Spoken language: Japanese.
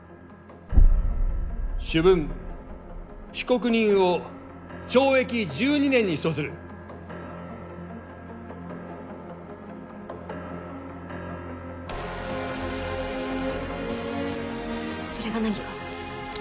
主文被告人を懲役１２年に処するそれが何か？